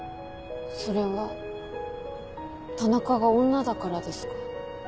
それは田中が女だからですか？